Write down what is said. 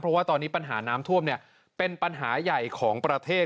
เพราะว่าตอนนี้ปัญหาน้ำท่วมเป็นปัญหาใหญ่ของประเทศ